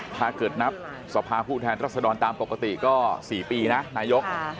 ถ้าเกิดนับสภาผู้แทนรัศดรตามปกติก็๔ปีนะนายก